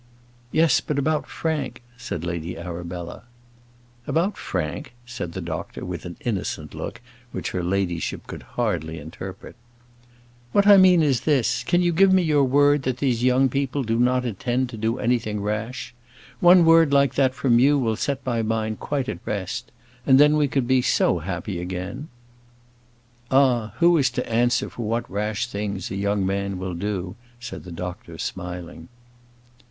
"Yes; but about Frank," said Lady Arabella. "About Frank!" said the doctor, with an innocent look, which her ladyship could hardly interpret. "What I mean is this: can you give me your word that these young people do not intend to do anything rash? One word like that from you will set my mind quite at rest. And then we could be so happy together again." "Ah! who is to answer for what rash things a young man will do?" said the doctor, smiling.